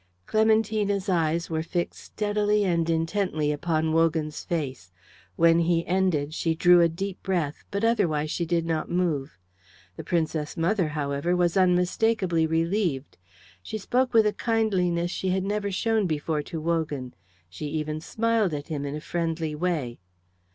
Clementina's eyes were fixed steadily and intently upon Wogan's face. When he ended she drew a deep breath, but otherwise she did not move. The Princess mother, however, was unmistakably relieved. She spoke with a kindliness she had never shown before to Wogan; she even smiled at him in a friendly way.